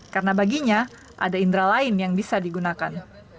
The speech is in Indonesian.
karena baginya ada indera lain yang bisa digunakan